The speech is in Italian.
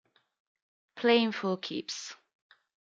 Playing for Keeps